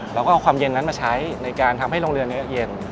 เราก็เอาความเย็นนั้นมาใช้ในการทำให้โรงเรือเนื้อเย็น